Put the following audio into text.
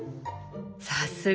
さすが！